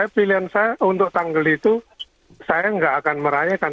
pilihan saya untuk tanggal itu saya nggak akan merayakan